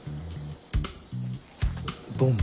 どうも。